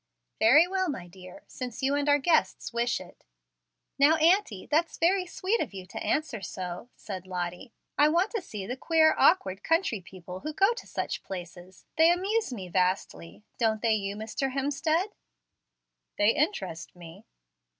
"Very well, my dear, since you and our guests wish it." "Now, auntie, that's very sweet of you to answer so," said Lottie. "I want to see the queer, awkward country people who go to such places. They amuse me vastly; don't they you, Mr. Hemstead?" "They interest me."